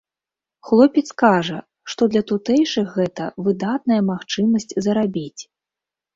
Хлопец кажа, што для тутэйшых гэта выдатная магчымасць зарабіць.